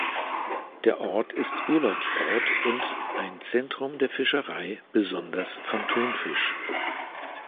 Der Ort ist Urlaubsort und ein Zentrum der Fischerei, besonders von Thunfisch.